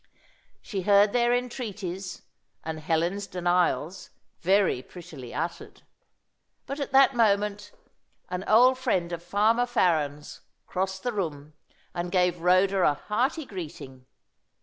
She heard their entreaties, and Helen's denials very prettily uttered. But at that moment an old friend of Farmer Farren's crossed the room, and gave Rhoda a hearty greeting.